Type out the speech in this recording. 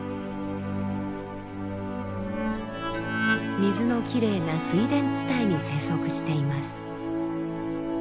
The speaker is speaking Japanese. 水のきれいな水田地帯に生息しています。